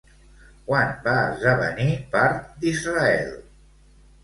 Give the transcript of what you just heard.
Quan va esdevenir part d'Israel?